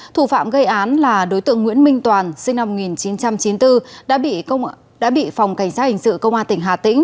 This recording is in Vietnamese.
thủ phạm gây án là đối tượng nguyễn minh toàn sinh năm một nghìn chín trăm chín mươi bốn đã bị phòng cảnh sát hình sự công an tỉnh hà tĩnh